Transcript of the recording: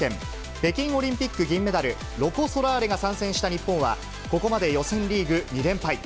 北京オリンピック銀メダル、ロコ・ソラーレが参戦した日本は、ここまで予選リーグ２連敗。